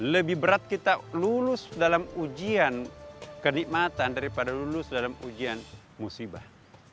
lebih berat kita lulus dalam ujian kenikmatan daripada lulus dalam ujian musibah